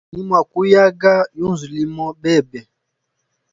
Nimwa kuyaga yunzu limo bebe.